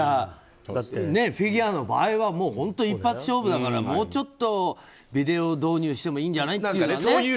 フィギュアの場合は一発勝負だからもうちょっとビデオ導入してもいいんじゃないっていう。